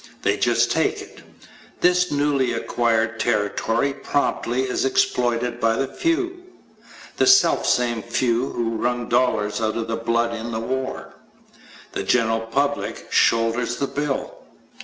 They just take it. This newly acquired territory promptly is exploited by the few the selfsame few who wrung dollars out of blood in the war. The general public shoulders the bill.